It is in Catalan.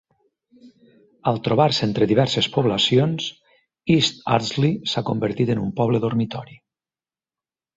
Al trobar-se entre diverses poblacions, East Ardsley s'ha convertit en un poble dormitori.